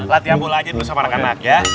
latihan bola aja dulu sama anak anak ya